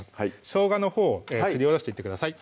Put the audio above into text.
しょうがをすりおろしていってください